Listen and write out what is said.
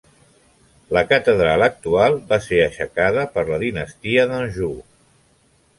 La catedral actual va ser aixecada per la dinastia d'Anjou.